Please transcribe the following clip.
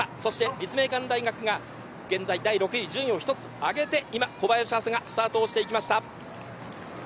立命館大学が現在第６位順位を１つ上げて小林がスタートしていきました。